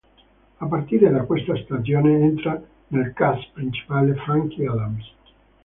A partire da questa stagione entra nel cast principale Frankie Adams.